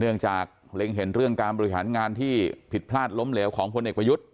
เนื่องจากเล็งเห็นเรื่องการบริหารงานที่ผิดพลาดล้มเหลวของพลเอกประยุทธ์